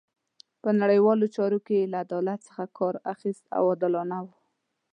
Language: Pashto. په نړیوالو چارو کې یې له عدالت څخه کار اخیست او عادلانه وو.